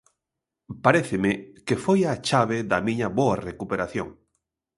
Paréceme que foi a chave da miña boa recuperación.